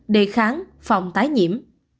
đề kháng phòng tái nhiễm